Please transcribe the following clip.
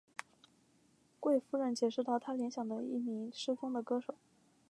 贵夫人解释道她联想到一名失踪的歌手。